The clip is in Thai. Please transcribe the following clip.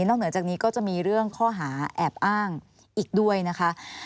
เหนือจากนี้ก็จะมีเรื่องข้อหาแอบอ้างอีกด้วยนะคะ